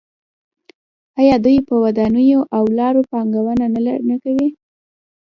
آیا دوی په ودانیو او لارو پانګونه نه کوي؟